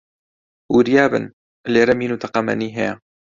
وریا بن، لێرە مین و تەقەمەنی هەیە